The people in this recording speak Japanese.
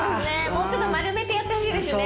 もうちょっと丸めてやってほしいですよね